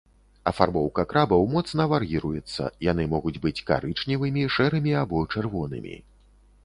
Афарбоўка крабаў моцна вар'іруецца, яны могуць быць карычневымі, шэрымі або чырвонымі.